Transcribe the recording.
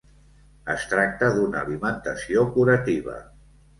Es tracta d'una alimentació curativa.